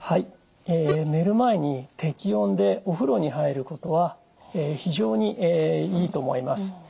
寝る前に適温でお風呂に入ることは非常にいいと思います。